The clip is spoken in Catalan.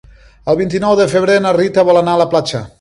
El vint-i-nou de febrer na Rita vol anar a la platja.